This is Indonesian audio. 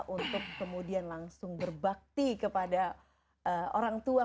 untuk kemudian langsung berbakti kepada orang tua